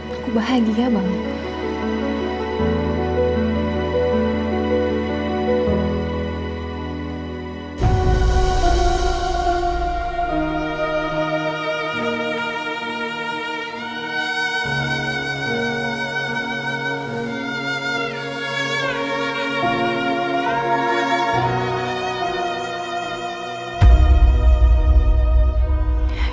aku bahagia banget